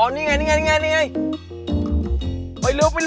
อ๋อนี่ไงนี่ไงนี่ไง